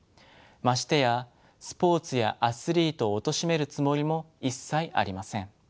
ましてやスポーツやアスリートをおとしめるつもりも一切ありません。